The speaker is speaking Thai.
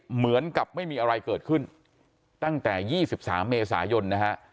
เหมือนกับไม่มีอะไรเกิดขึ้นตั้งแต่๒๓เมษายนนะฮะ